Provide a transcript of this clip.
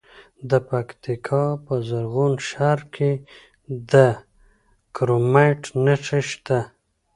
د پکتیکا په زرغون شهر کې د کرومایټ نښې شته.